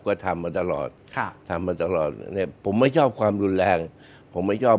ก็ทำมาตลอดค่ะทำมาตลอดเนี่ยผมไม่ชอบความรุนแรงผมไม่ชอบ